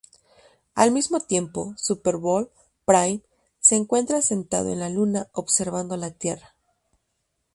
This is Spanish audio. Al mismo tiempo, Superboy Prime se encuentra sentado en la Luna, observando la Tierra.